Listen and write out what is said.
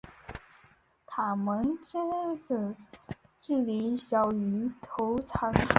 肛门至鳃裂之距离小于头长。